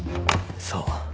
そう。